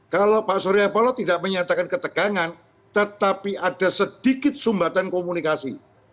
kalau pak surya paloh tidak menyatakan ketegangan tetapi ada sedikit sumbatan komunikasi